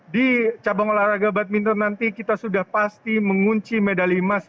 di cabang olahraga badminton nanti kita sudah pasti mengunci medali emas